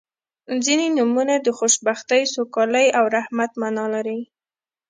• ځینې نومونه د خوشبختۍ، سوکالۍ او رحمت معنا لري.